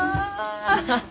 アハハ！